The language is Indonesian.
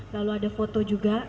lalu ada foto juga